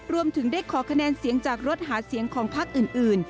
รวมถึงได้ขอคะแนนเสียงจากรถหาเสียงของพักอื่น